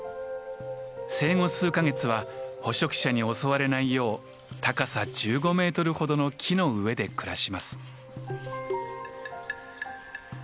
生後数か月は捕食者に襲われないよう高さ１５メートルほどの木の上で暮らします。